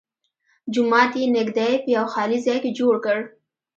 جومات یې نږدې په یوه خالي ځای کې جوړ کړ.